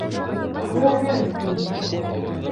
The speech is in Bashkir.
Ғүмер буйы.